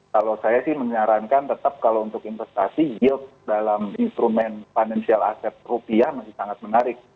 kalau saya sih menyarankan tetap kalau untuk investasi yield dalam instrumen financial asset rupiah masih sangat menarik